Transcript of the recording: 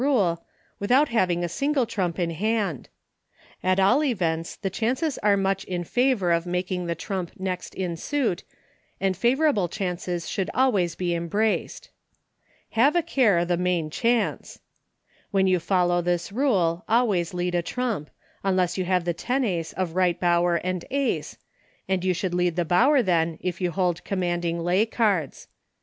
rule, without having a single trump in hand At all events the chances are much in favor of making the trump next in suit, and favor ble chances should always be embraced. "Have a care o' th' main chance." When you follow this rule, always lead a trump, unless you have the tenace of Right Bower and Aee, and you should lead the Bower then if you hold commanding lay cards.